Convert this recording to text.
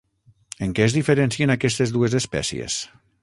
En què es diferencien aquestes dues espècies?